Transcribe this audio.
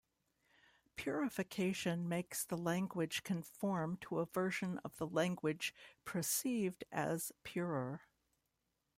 Purification makes the language conform to a version of the language perceived as 'purer'.